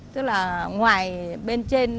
tức là ngoài bên trên